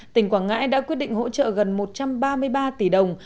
tỉnh quảng ngãi đã quyết định hỗ trợ gần một trăm ba mươi ba tỷ đồng